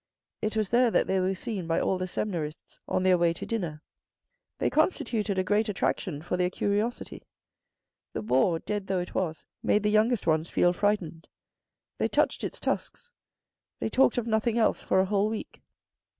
It was there that they were seen by all the seminarists on their way to dinner. They constituted a great attraction for their curiosity. The boar, dead though it was, made the youngest ones feel frightened. They touched its tusks. They talked of nothing else for a whole week.